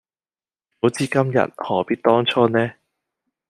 早知今日何必當初呢